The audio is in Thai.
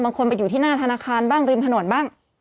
ไปอยู่ที่หน้าธนาคารบ้างริมถนนบ้าง